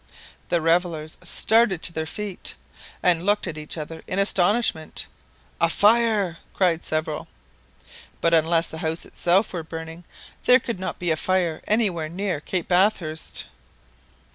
The revellers started to their feet, and looked at each other in astonishment. "A fire !" cried several. But unless the house itself were burning, there could not be a fire anywhere near Cape Bathurst.